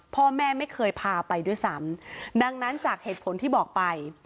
พ่อแม่ไม่เคยพาไปด้วยซ้ำดังนั้นจากเหตุผลที่บอกไป